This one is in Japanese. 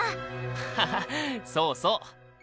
ハハそうそう。